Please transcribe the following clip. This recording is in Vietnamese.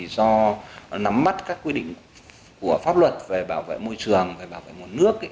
do nắm mắt các quy định của pháp luật về bảo vệ môi trường bảo vệ môn nước